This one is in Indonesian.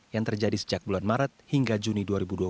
yang terjadi sejak bulan maret hingga juni dua ribu dua puluh